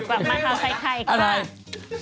อ้าวกลับมาเท้าใส่ไข่อีกครั้ง